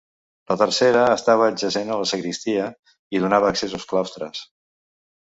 La tercera estava adjacent a la sagristia i donava accés als claustres.